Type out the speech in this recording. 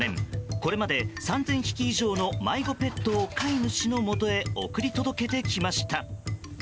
これまで３０００匹以上の迷子ペットを飼い主のもとへ送り届けてきました。